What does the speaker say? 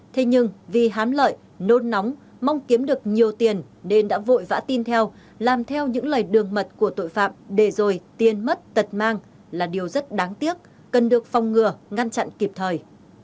thế nhưng vì hám lợi nôn nóng mong kiếm được nhiều tiền nên đã vội vã tin theo làm theo những lời đường mật của tội phạm để rồi tiền mất tật mang là điều rất đáng tiếc cần được phong ngừa ngăn chặn kịp thời